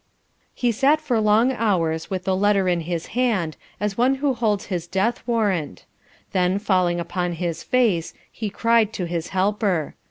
He sat for long hours with the letter in his hand, as one who holds his death warrant. Then falling upon his face, he cried to his Helper.